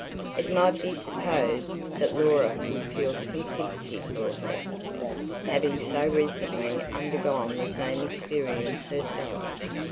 It might be supposed that Laura would feel some sympathy for her, having so recently undergone the same experience herself.